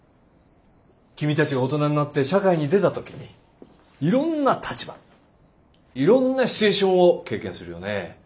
君たちが大人になって社会に出た時にいろんな立場いろんなシチュエーションを経験するよね。